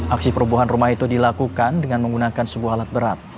aksi perobohan rumah itu dilakukan dengan menggunakan sebuah alat berat